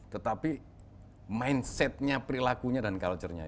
tetapi mindset nya perilakunya dan culture nya